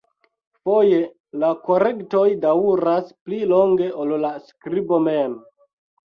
Foje la korektoj daŭras pli longe ol la skribo mem.